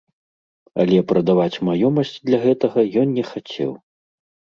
Але прадаваць маёмасць для гэтага ён не хацеў.